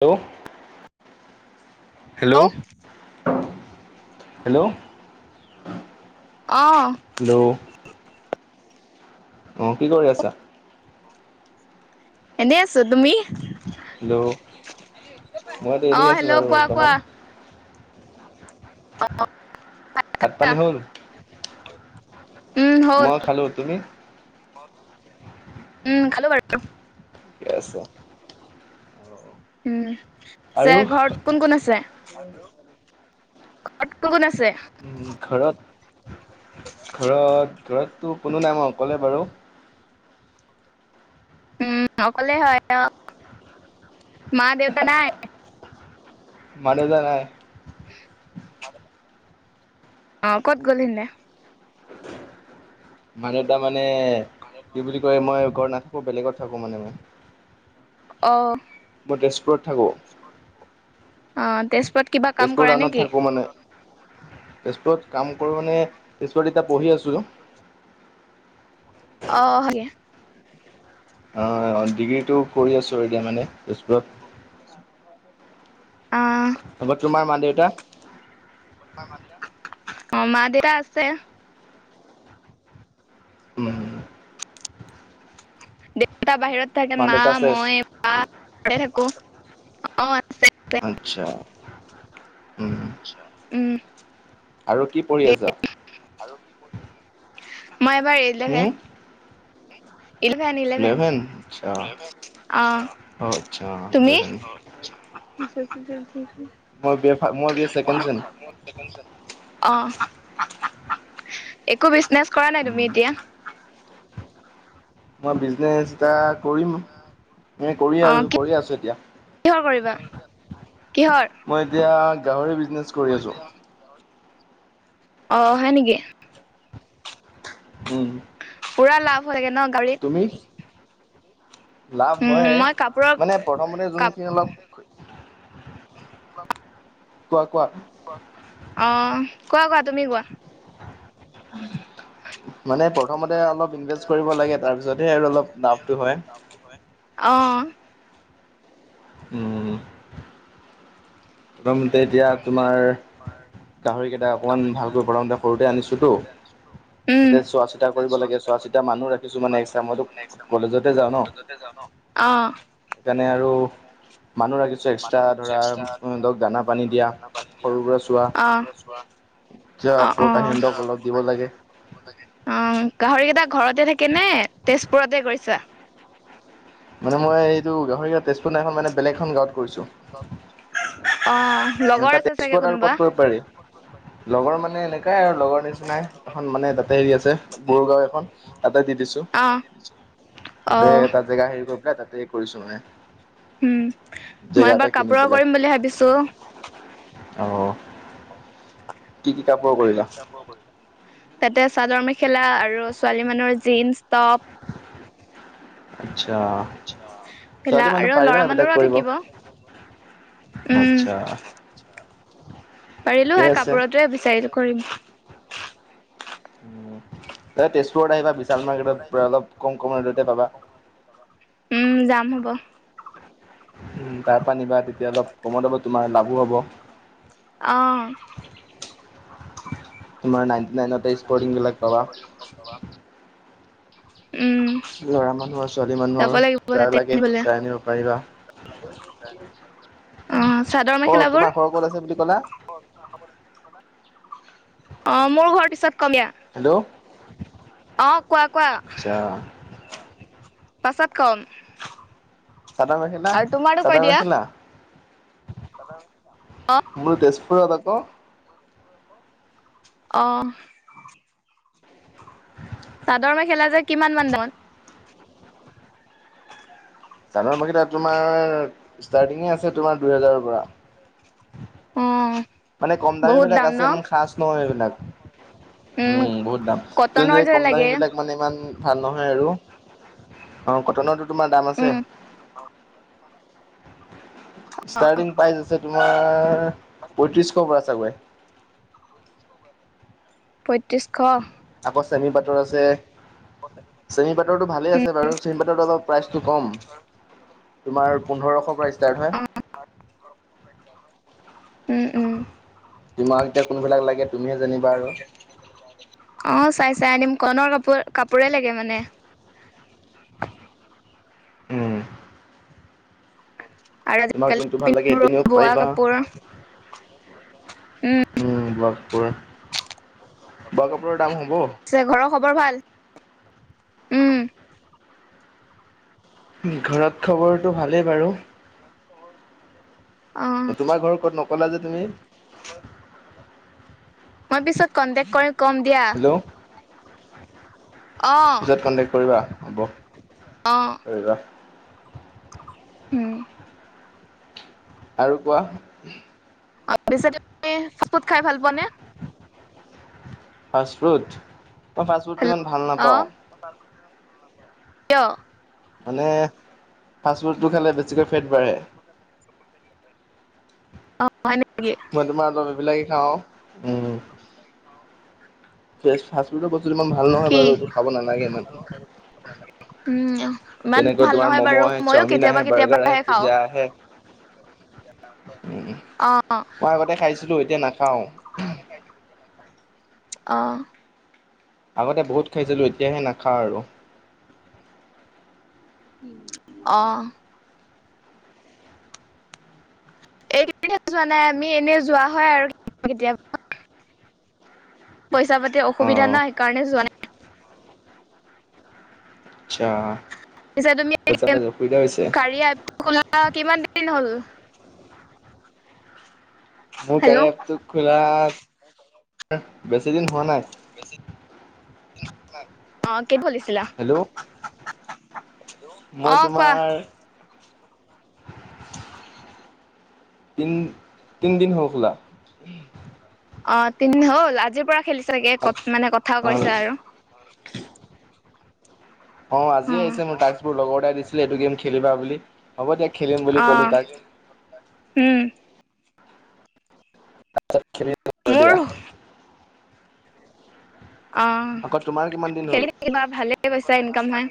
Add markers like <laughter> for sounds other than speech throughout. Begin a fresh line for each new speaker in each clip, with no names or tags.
Hello. Hello <inaudible> hello <inaudible>
অ।
Hello অঁ কি কৰি আছা?
এনেই আছো তুমি
হেল্ল' মইতো
অ
এনেই আছো
হেল্ল'
বাৰু
কোৱা
বৰ্তমান।
কোৱা অ অ ভাত খালা
পানী হ'ল মই খালো তুমি
উম খালো বাৰু।
ঠিকে আছে।
উম
আৰু
যে ঘৰত কোন কোন আছে? হেল্ল ঘৰত কোন কোন আছে
ঘৰত ঘৰত ঘৰততো কোনো নাই মই অকলে বাৰু
উম অকলে হয় মা দেউতা নাই
মা দেউতা নাই।
অ কত গ'ল হিদিনা
মা দেউতা মানে কি বুলি কয় মই ঘৰত নাথাকো বেলেগত থাকো মানে মই
অ
মই তেজপুৰত থাকোঁ
<unintelligible> অ তেজপুৰত কিবা কাম
তেজপুৰ
কৰা
টাওনত
নেকি
থাকো মানে তেজপুৰত কাম কৰো মানে তেজপুৰত এতিয়া পঢ়ি আছো
অ <unintelligible>
অ ডিগ্ৰীটো কৰি আছোঁ এতিয়া মানে তেজপুৰত।
অ
তোমাৰ তোমাৰ মা দেউতা
অ মা দেউতা আছে।
উম
দেউতা বাহিৰত থাকে মা
দেউতা আছে?
মই বা ঘৰতে থাকোঁ।
আচ্ছা
উম
আৰু কি পঢ়ি আছা?
মই এবাৰ এলেভেন
হুম,
ইলেভেন ইলেভেন অ
অ', আচ্ছা
তুমি
ইলেভেন।
চ <unintelligible>
মই বি এছ ফা মই বি এ ছেকেণ্ড চেম।
অ একো বিজনেচ কৰা নাই তুমি
উম,
এতিয়া
মই বিজনেছ এটা কৰিম এ কৰি আৰু
কি
কৰি আছোঁ এতিয়া
কিহৰ কৰিবা কিহৰ?
মই এতিয়া গাহৰি বিজনেছ কৰি আছোঁ।
অ হয় নেকি?
উম।
পুৰা লাভ হয় গে ন গাহৰিত
তুমি? লাভ
উম
হয়
মই কাপোৰৰ
মানে প্ৰথমতে
কাপ
যোনখিনি অলপ‌
<inaudible>
কোৱা কোৱা।
অহ কোৱা কোৱা তুমি কোৱা
<inaudible> মানে প্ৰথমতে অলপ ইনভেষ্ট কৰিব লাগে তাৰপিছতহে আৰু অলপ লাভটো হয়
অ
উম। প্ৰথমতে এতিয়া তোমাৰ গাহৰি কেইটা অকমান ভালকৈ বনাওঁতে সৰুতে আনিছো তো
উম
তাতে চোৱা চিতা কৰিব লাগে চোৱা চিতা মানুহ ৰাখ কিছু মানে এক্সাম টো কলেজতে যাওঁ ন
অ
সেইকাৰণে আৰু মানুহ ৰাখিছো এক্সট্ৰা ধৰা সিহঁতক দানা পান নিদিয়া সৰুৰে পৰা
অ
চোৱা
অ অ
আকৌহিক <unintelligible> অলপ দিব লাগে
অ গাহৰি কেইটা ঘৰতে থাকে নে তেজপুৰতে কৰিছা?
মানে মই এইটো গাহৰি ইয়াত তেজপুৰ নাই মানে বেলেগ এখন গাঁৱত কৰিছো
অ
মানে
লগৰ
তাত
আছে চাগে
তেজপুৰত আৰু
কোনোবা
ক'ত কৰিব পাৰি লগৰ মানে এনেকাই আৰু লগৰ নিচিনাই এখন মানে তাতে হেৰি আছে সৰু গাওঁ এখন তাতে দি দিছো
অ অ
তাতে তাত জেগা হেৰি কৰি পেলাই তাতে কৰিছো মানে
উম
জেগা
মই
এটা
এবাৰ
কিনি
কাপোৰৰ
পেলাই
কৰিম বুলি ভাবিছো
অ। কি কি কাপোৰ? কৰিবা?
তাতে চাদৰ মেখেলা আৰু ছোৱালী মানুহৰ জীনছ টপ
আতচ্ছা
খেলা আৰু ল'ৰা মানুৰো থাকিব। উম
মজা
পাৰিলো হৈ কাপোৰটোৱে বিচাৰিলো কৰিম
এ তেজপুৰত আহিবা বিশাল মাৰ্কেটত পুৰা অলপ কম কম ৰেটতে পাবা।
উম যাম হ'ব।
তাৰ পা নিবা তেতিয়া অলপ কমত হব তোমাৰ লাভো হ'ব
অ।
তোমাৰ নাইণ্টি নাইনতে স্পৰ্টিং বিলাক পাবা
উম।
ল'ৰা মানুহৰ ছোৱালী
যাব
মানুহৰ
লাগিব
যাৰ
তাতে
লাগে
আনিবলে।
তাইৰ নিব পাৰিবা
অ চাদৰ
অ তোমাৰ
মেখেলাবোৰ?
ঘৰ ক'ত আছে বুলি ক'লা?
অ মোৰ ঘৰ পিছত কমিয়া।
হেল্ল'
অ কোৱা কোৱা
আচ্ছা
পাছত কম
চাদৰ মেখেলা
আৰু তোমাৰো কৈ
চাদৰ
দিয়া।
মেখেলা
অ
মোৰ তেজপুৰত আকৌ
অঁহ। চাদৰ মেখেলা যে কিমান মান দামত
চাদৰ মেখেলা তোমাৰ ষ্টাৰ্টিঙে আছে তোমাৰ দুহেজাৰৰ পৰা
অ
মানে কম দামী
বহুত
বিলাক
দাম ন
আছে ইমান খাচ নহয় এইবিলাক। উম বহুত দাম,
কটনৰ যে
কম দামী
লাগে
বিলাক মানে ইমান ভাল নহয় আৰু অ কটনৰতো তোমাৰ দাম আছে।
উম
ষ্টাৰ্টিং প্ৰাইজ আছে তোমাৰ পয়ত্ৰিশ শ পৰা চাগৈ
পঁয়ত্ৰিছশ।
আকৌ চেমি পাটৰ আছে। চেমি পাটৰতটো ভালে
উম
আছে বাৰু। চেমি পাটৰটো আকৌ প্ৰাইচটো কম, তোমাৰ পোন্ধৰশৰ পৰা ষ্টাৰ্ট হয়।
উম উম।
তোমাক এতিয়া কোনবিলাক লাগে তুমিহে জানিবা আৰু?
<unintelligible> অ চাই চাই আনিম, কৰনৰ কাপোৰ কাপোৰে লাগে মানে।
উম'
আৰু
তোমাক
আজিকালি
জুনটো ভাল লাগে
পিন্ধ
সেইটো নিৱ
বোৱা
পায়িবা।
কাপোৰ
উম' ব্লাব কয়ে।
পিছে ঘৰৰ খবৰ ভাল? উম'।
ঘৰত খবৰটো ভালেই বাৰু।
<unintelligible> অ
তোমাৰ ঘৰ ক'ত নকলা যে তুমি?
মই পিছত কন্টেক্ট কৰি কম দিয়া।
হেল্ল'
অ
পিছত কণ্টেক্ট কৰিবা, হ'ব।
অঁ
কৰিবা
উম'।
আৰু কোৱা?
<unintelligible> শপত খাই ভাল পোৱা নে?
ফাষ্ট'ফুড, মই ফাষ্ট'ফুডটো ইমান ভাল নাপাওঁ।
<unintelligible> নাপাওঁ
মানে, ফাষ্ট'ফুডটো খালে বেছিকে পেট বাঢ়ে।
অ হয় নেকি?
মই তোমাৰ অলপ এইবিলাকে খাওঁ, উ
<unintelligible>
ফেচ ফাষ্টফুডৰ বস্তুটো ইমান ভাল নহয়
কি
বাৰু, এইটো খাব নালাগে ইমান।
উম ইমান
তেনেকুৱা
ভাল
তোমাৰ
নহয়
ম'ম'
বাৰু
আহে,
মইয়ো
চাওমিন
কেতিয়াবা
আহে, বাৰ্গাৰ আহে,
কেতিয়াবাহে খাওঁ
পিজ্জা আহে।
অ
<inaudible> মই আগতে খাইছিলো এতিয়া নাখাওঁ।
অ'।
আগতে বহুত খাইছিলো এতিয়াহে নাখাওঁ আৰু।
অ' এইকেদিন হে যোৱা নাই আমি এনে যোৱা হয় আৰু কেতিয়াৱ- পইচা-পাতি অসুবিধা
অঁ
নাই সেইকাৰণে যোৱা নাই।
চ্ছা'
পিছে তুমি গেম- কাৰিয়া এপটো খোলা কিমান দিন হ'ল?
মোৰ
হেল্ল'
কাৰিয়া এপটো খোলা, বেছি দিন হোৱা নাই।
বেছি- দিন হো নাই। অ' কি বলিছিলা?
হেল্ল' মই
অ' কোৱা?
তোমাৰ <inaudible> তিনি-তিনদিন হ'ল খোলা।
অ' তিন হ'ল আজিৰ পৰা খেলিছাগে ক মানে কথাও কৰিছা আৰু।
অ', আজিয়ে আহিছে মোৰ টাক্কবোৰ লগৰ এটাই দিছিলে এইটো গেম খেলিবা বুলি, হ'ব দিয়া খেলিম বুলি
অ
কলোঁ তাক।
উম।
<unintelligible>
মোৰ
দিয়া।
অ',
আকৌ তোমাৰ কিমান দিন হ'ল?
খেলি থাকিবা ভালে পইচা ইনকাম হয়,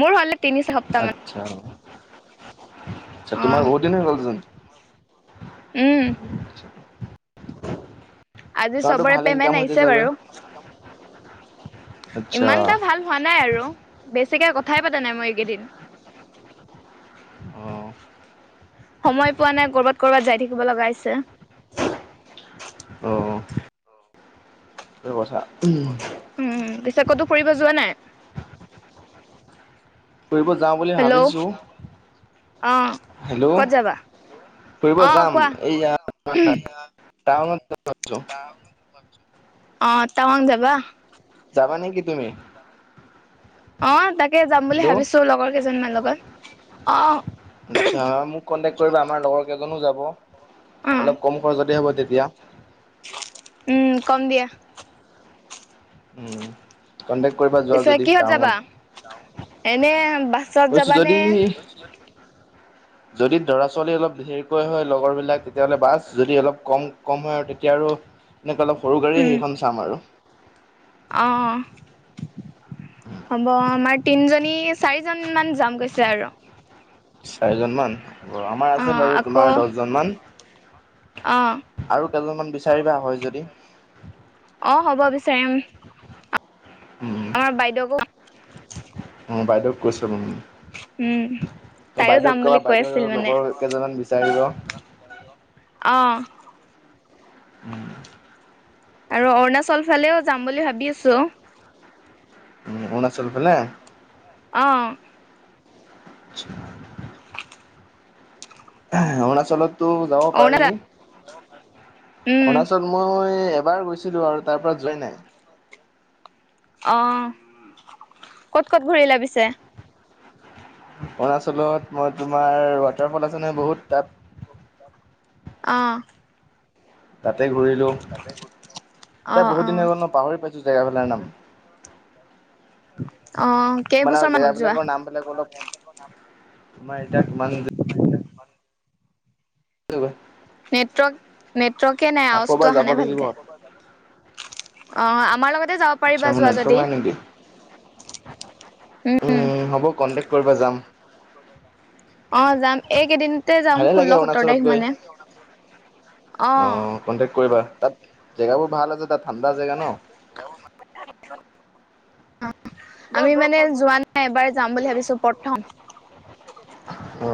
মোৰ হ'লে তিনিশ
আচ্ছা, আচ্ছা
অ
তোমাৰ বহুত দিন হৈ গ'ল চোন।
উম। আজি
তোমাৰতো
চবৰে
ভাল ইনকাম
পেমেণ্ট
হৈছে
আহিছে
চাগৈ?
বাৰু।
আচ্ছা
ইমান এটা ভাল হোৱা নাই আৰু, বেছিকে কথাই পাতা নাই মই এইকেইদিন।
অ'।
সময় পোৱা নাই কৰ'বাত কৰ'ৰবাত যাই থাকিব লগা হৈছে।
অ'। <unintelligible> কথা
উম, পিছে ক'তো ফুৰিব যোৱা নাই?
ফুৰিব যাওঁ বুলি
হেল্ল'
ভাবিছোঁ।
অ', ক'ত যাবা,
ফুৰিব
অ',
যাম
কোৱা।
এইয়া টাউনত যাম ভাবিছো।
অ', টাৱাং যাবা?
যাবা নেকি তুমি?
অ', তাকে যাম বুলি
হেল্ল'
ভাবিছোঁ লগৰ কেইজনমান লগত। অ
আচ্ছা, মোক কন্টেক কৰিবা আমাৰ লগৰ কেইজনো যাব।
অ
অলপ কম খৰচতে হ'ব তেতিয়া।
উম, ক'ম দিয়া।
উম। কণ্টেক কৰিবা। যোৱা
পিছে
যদি
কিহত
টাৱাঙত
যাবা, এনে বাছত
কৈছো
যাবানে?
যদি যদি লৰা-ছোৱালী অলপ বেছি হেৰি কৰে হয়, লগৰ বিলাক। তেতিয়াহ'লে বাছ, যদি অলপ কম- কম- হয়, আৰু তেতিয়া আৰু এনেকৈ অলপ সৰু গাড়ীয়ে
উম
সেইখন চাম আৰু।
অ', হ'ব আমাৰ তিনিজনী চাৰিজনমান যাম কৈছে আৰু।
চাৰিজন মান অ', আমাৰ
অ
আছে বাৰু
আকৌ
তোমাৰ দহজন মান।
অ
আৰু কেইজনমান বিচাৰিবা হ'য় যদি।
অ', হ'ব বিচাৰিম।
উম।
আমাৰ বাইদেউকো
অ', বাইদেউক কৈছোঁ।
উম তাইও যাম
বাইদেউক কৰা
বুলি কৈ আছিল
বাইদেউ
মানে
লগৰ কেইজনমান বিচাৰিব।
অ'।
উম।
আৰু অৰুণাচল ফালেও যাম বুলি ভাবি আছোঁ।
উম, অৰুণাচল ফালে।
অ'।
আছা। অৰুণাচলতো যাব পাৰি,
অৰুণা উম
অৰুণাচল মই এবাৰ গৈছিলো আৰু তাৰ পৰা যোৱা নাই।
অ', ক'ত ক'ত ঘূৰিলা পিছে?
অৰুণাচলত মই তোমাৰ ৱাটাৰফল আছে নহয়, বহুত তাত
অ'।
তাতে ঘূৰিলোঁ,
অ
এতিয়া
অ
বহুত দিন হৈ গল ন পাহৰি পাইছোঁ জেগাবিলাকৰ নাম?
অ',
মানে আৰু
কেইবছৰ মান হল যোৱা?
জেগাবিলাকৰ নামবিলাক অলপ তোমাৰ এতিয়া কিমান যা ৰবা!
নেটৱৰ্ক নেটৱৰ্কে নাই
আকৌ
আৱাজটো
এবাৰ
আহা
যাব
নাই
লাগিব
ভালকে। অ', আমাৰ লগতে যাব
আচ্ছা
পাৰিবা
মোৰ
যোৱা
নেটৱৰ্ক
যদি।
নাই নেকি উম', হ'ব কন্টেক কৰিবা যাম।
অ' যাম, এইকেইদিনতে যাম
ভালে
ষোল্ল,
লাগে
সোত্তৰ
অৰুণাচলত
তাৰিখ
গৈ
মানে অ'।
কণ্টেক কৰিবা তাত জেগাবোৰ ভাল আছে তাত ঠাণ্ডা জেগা ন।
<unintelligible> অ আমি মানে যোৱা নাই, এবাৰ যাম বুলি ভাবিছো প্ৰথম।
অ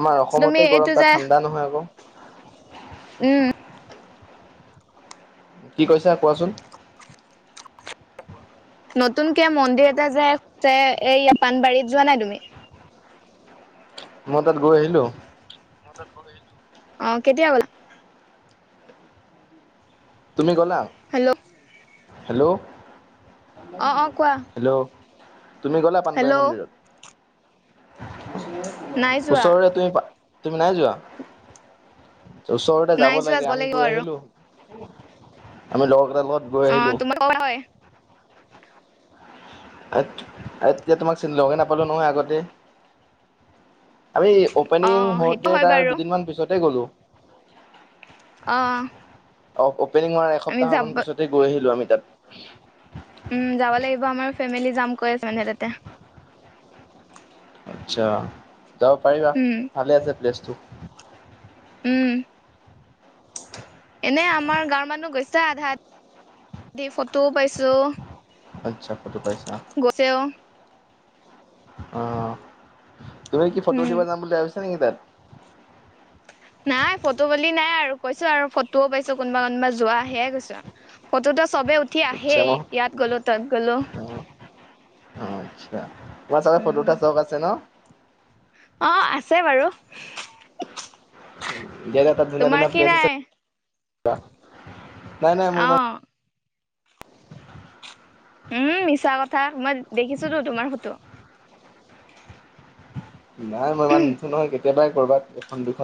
আমাৰ
তুমি
অসমতে
এইটো
গৰম
যে
তাত ঠাণ্ডা নহয় আকৌ।
উম।
কি কৈছা কোৱাচোন?
নতুনকে মন্দিৰ এটা যে তে এই ইয়াত পানবাৰীত যোৱা নাই তুমি?
মই তাত গৈ আহিলো।
অ' কেতিয়া গ'লা?
তুমি গ'লা?
Hello
hello?
অ অ কোৱা
হেল্ল'? তুমি গ'লা পানবাৰী
হেল্ল'
মন্দিৰত?
নাই যোৱা
ওচৰৰে তুমি পা তুমি নাই যোৱা? ওচৰতে যাব
নাই যোৱা
লাগে আমি
লাগিব
গৈ
আৰু
আহিলো, আমি লগৰ কেইটাৰ লগত গৈ আহিলো
অ', তোমাৰ <inaudible> হয়।
এত- এতিয়া তোমাক চীন লগে নাপালোঁ নহয় আগতে? আমি অ অপেনিং
সেইটো
হওঁতে
হয়
তাৰ
বাৰু
দুদিনমান পিছতেই গ'লো।
অ'।
অ- অপেনিং হোৱাৰ
আমি
এসপ্তাহ
যাব
মান পিছতে গৈ আহিলো আমি তাত।
উম', যাব লাগিব আমাৰ ফেমেলি যাম কৈ আছে মানে তাতে।
আচ্ছা, যাব পাৰিবা
উম
ভালে আছে প্লেছটো।
উম'। এনে আমাৰ গাঁৱৰ মানুহ গৈছো আধা ধি ফটোও পাইছো।
আচ্ছা, ফটো পাইছা।
গৈছেও।
অ', তুমি কি ফটো
উম
দিব যাম বুলি ভাবিছা নেকি তাত?
নাই, ফটো বুলি নাই আৰু কৈছো আৰু ফটোও পাইছো কোনোবা কোনোবা যোৱা সেয়াই কৈছো আৰু। ফটোতো চবে উঠি
আচ্ছা
আহেই,
মই
ইয়াত গ'লো তাত গ'লো।
অ অ' আচ্ছা, তোমাৰ চাগে ফটো
উম
উঠা চখ আছে ন?
অ', আছে বাৰু।
ডেইনৰ তাত ধুনিয়া -
তোমাৰ
ধুনীয়া
কি
প্লেচ
নাই
আছে <inaudible> নাই নাই মই ইমান
অ উম, মিছা কথা। মই দেখিছোতো তোমাৰ ফটো।
নাই মই ইমান নুঠো নহয়, কেতিয়াবাই ক'ৰবাত এখন দুখন